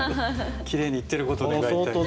きれいにいってることを願いたいです。